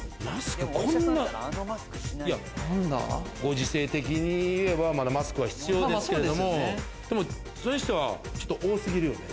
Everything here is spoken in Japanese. ご時世的に言えば、まだマスクは必要ですけれども、それにしてはちょっと多すぎるよね。